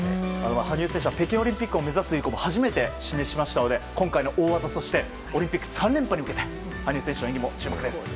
羽生選手は北京オリンピックを目指す意向も初めて示しましたので今回の大技そしてオリンピック３連覇に向け羽生選手の演技にも注目です。